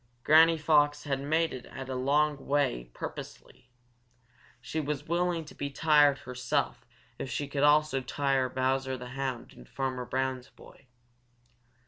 Granny Fox had made it a long way purposely. She was willing to be tired herself if she could also tire Bowser the Hound and Farmer Brown's boy.